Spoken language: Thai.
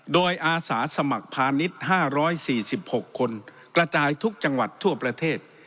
โดยอาสาสมัครพาณิชย์ห้าร้อยสี่สิบหกคนกระจายทุกจังหวัดทั่วประเทศ